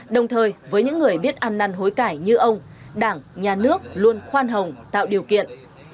đồng thời với những người biết ăn năn hối cải như ông đảng nhà nước luôn khoan hồng tạo điều kiện